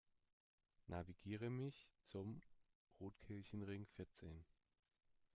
Navigiere mich zum Rotkelchenring vierzehn!